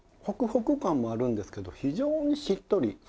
ホクホク感もあるんですけど非常にしっとり。